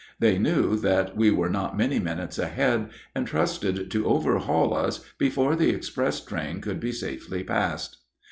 They knew that we were not many minutes ahead, and trusted to overhaul us before the express train could be safely passed.